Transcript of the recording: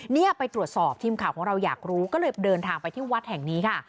เนี่ยไปตรวจสอบทีมข่าวของเราอยากรู้ก็เลยเดินทางไปที่วัดแห่งนี้ค่ะ